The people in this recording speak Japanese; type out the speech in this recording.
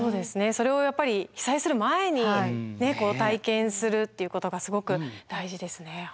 それをやっぱり被災する前に体験するっていうことがすごく大事ですね。